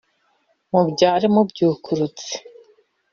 Mubyare mubyukurutse